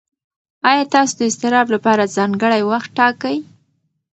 ایا تاسو د اضطراب لپاره ځانګړی وخت ټاکئ؟